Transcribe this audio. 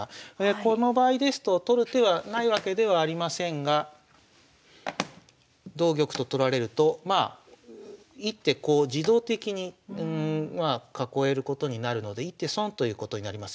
この場合ですと取る手はないわけではありませんが同玉と取られると１手こう自動的に囲えることになるので１手損ということになります。